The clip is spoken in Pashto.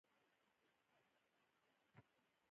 د یوې ډکې ډبې په یوه کونج کې ناست و.